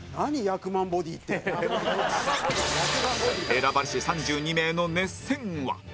選ばれし３２名の熱戦は